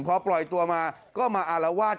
พอปล่อยตัวมาก็มาอารวาส